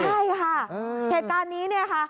ใช่ค่ะเหตุการณ์นี้เนี่ยค่ะ